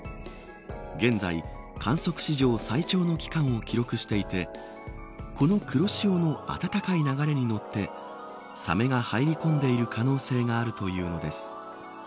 現在、観測史上最長の期間を記録していてこの黒潮の暖かい流れに乗ってサメが入り込んでいる可能性があるというのです。